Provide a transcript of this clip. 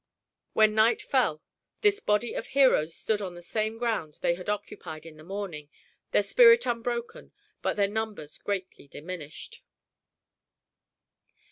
When night fell, this body of heroes stood on the same ground they had occupied in the morning, their spirit unbroken, but their numbers greatly diminished.